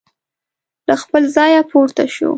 له خپل ځایه پورته شو.